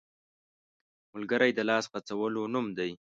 ملګری د لاس غځولو نوم دی